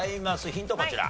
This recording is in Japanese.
ヒントこちら。